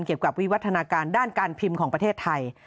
เกี่ยวกับวิวัฒนาการด้านการพิมพ์ของประเทศไทย